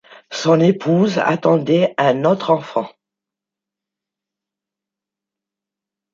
Son épouse attendait un autre enfant.